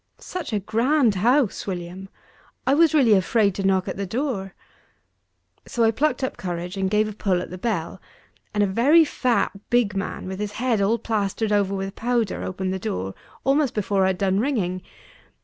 Such a grand house, William! I was really afraid to knock at the door. So I plucked up courage, and gave a pull at the bell; and a very fat, big man, with his head all plastered over with powder, opened the door, almost before I had done ringing.